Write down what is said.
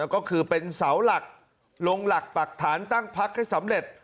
ก็คือเป็นเสาหลักลงหลักปักฐานตั้งพักให้สำเร็จ